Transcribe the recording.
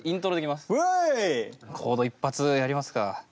コード一発やりますか。